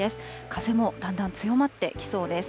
風もだんだん強まってきそうです。